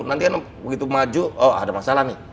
nanti kan begitu maju oh ada masalah nih